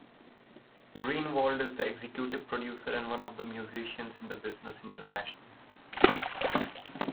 Greenwald is the executive producer and one of the musicians in The Business International.